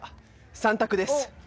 ３択です